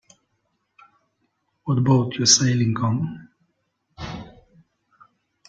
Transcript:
What boat you sailing on?